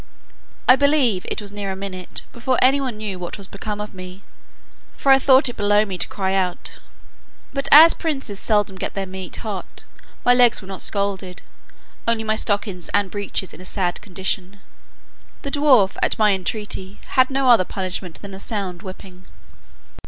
I believe it was near a minute before any one knew what was become of me; for I thought it below me to cry out. But, as princes seldom get their meat hot, my legs were not scalded, only my stockings and breeches in a sad condition. The dwarf, at my entreaty, had no other punishment than a sound whipping.